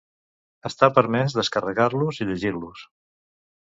Està permès descarregar-los i llegir-los.